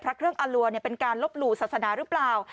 พระเครื่องอลัวเป็นการลบหลู่ศาสนาหรือเปล่า